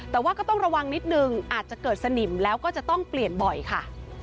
แต่ว่าก็ต้องระวังนิดนึงอาจจะเกิดสนิมแล้วก็จะต้องเปลี่ยนบ่อยค่ะ